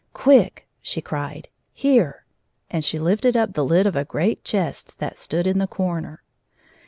"Quick!" she cried. "Here!" and she lifted up the lid of a great chest that stood in the corner.